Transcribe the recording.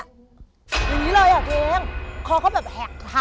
อย่างนี้เลยอ่ะเกมคอเขาแบบหัก